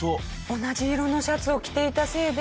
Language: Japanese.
同じ色のシャツを着ていたせいで。